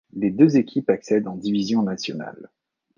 Les deux équipes accèdent en division nationale.